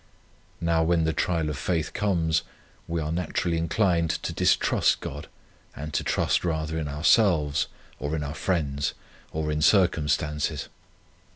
Now when the trial of faith comes, we are naturally inclined to distrust God, and to trust rather in ourselves, or in our friends, or in circumstances.